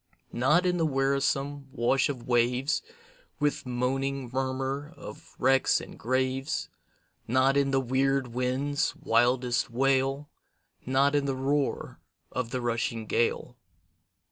Not in the wearisome wash of waves, With moaning murmur of wrecks and graves, Not in the weird winds' wildest wail, Not in the roar of the rushing gale.